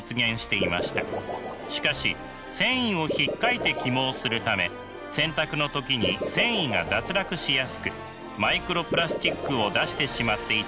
しかし繊維をひっかいて起毛するため洗濯の時に繊維が脱落しやすくマイクロプラスチックを出してしまっていたのです。